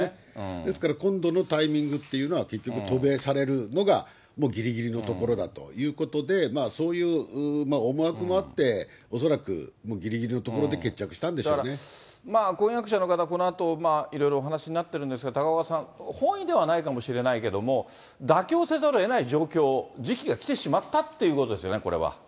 ですから、今度のタイミングというのは、結局渡米されるのがもうぎりぎりのところだということで、そういう思惑もあって、恐らくぎりぎりのところで決着したんでしだから、婚約者の方、このあと、いろいろお話になってるんですが、高岡さん、本意ではないかもしれないけども、妥協せざるをえない状況、時期が来てしまったということですよね、これは。